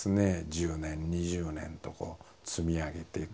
１０年２０年と積み上げていく歩みの中で。